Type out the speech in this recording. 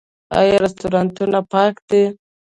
آیا رستورانتونه پاک دي؟